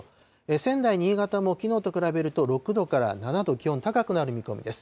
仙台、新潟もきのうと比べると６度から７度気温、高くなる見込みです。